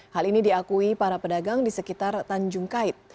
hal ini diakui para pedagang di sekitar tanjung kait